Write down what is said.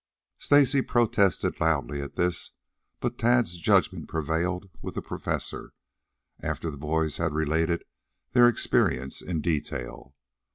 Stacy protested loudly at this, but Tad's judgment prevailed with the Professor, after the boys had related their experience in detail.